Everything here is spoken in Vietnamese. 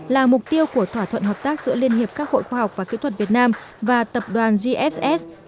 là mục tiêu của thỏa thuận hợp tác giữa liên hiệp các hội khoa học và kỹ thuật việt nam và tập đoàn gfs